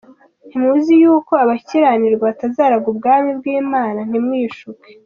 Ntimuzi yuko abakiranirwa batazaragwa ubwami bw’Imana ? Ntimwishuke.